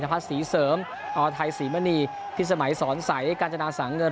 ภาษศรีเสริมออร์ไทยสีมณีที่สมัยสอนสายได้การจนาสั่งเงิน